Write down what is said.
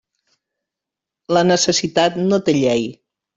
La necessitat no té llei.